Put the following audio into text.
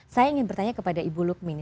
saya ingin bertanya kepada ibu lukmin